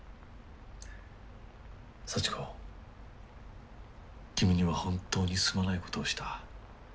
幸子君には本当にすまないことをした。